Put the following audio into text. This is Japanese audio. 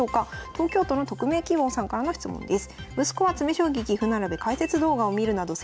東京都の匿名希望さんからの質問です。